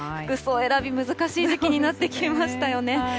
服装選び、難しい時期になってきましたよね。